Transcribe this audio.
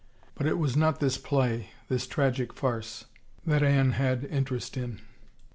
But It was not this play, this tragic farce, that Anne had interest in.